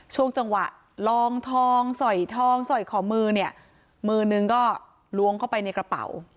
ช่วงจังหวะลองทองสอยทองสอยขอมือเนี่ยมือนึงก็ล้วงเข้าไปในกระเป๋า